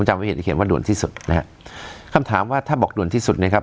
ถ้าบอกด่วนคำถามว่าด่วนที่สุดครับ